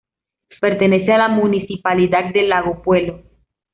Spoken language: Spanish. Pertenece a la municipalidad de Lago Puelo.